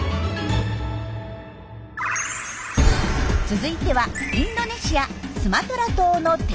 続いてはインドネシアスマトラ島のテナガザル。